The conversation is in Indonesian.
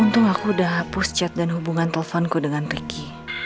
untung aku udah push chat dan hubungan teleponku dengan ricky